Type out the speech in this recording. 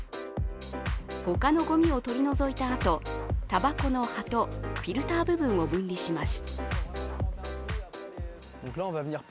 他のごみを取り除いたあとたばこの葉とフィルター部分を分離します。